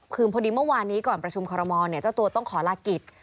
คือพอดีเมื่อวานนี้ก่อนประชุมคอรมอลเจ้าตัวต้องขอลากิจ